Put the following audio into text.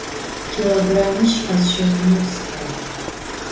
Kilogrammiş khesşefıneu sıfay.